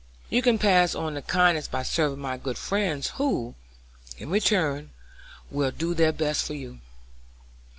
You can pass on the kindness by serving my good friends who, in return, will do their best for you."